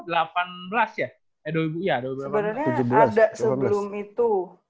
sebenarnya ada sebelum itu